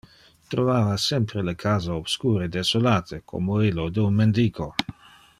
Trovava sempre le casa obscur e desolate como illo de un mendico.